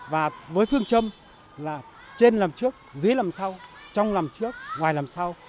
và với phương châm là trên lầm trước dưới lầm sau trong lầm trước ngoài lầm sau